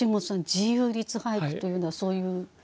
自由律俳句というのはそういう？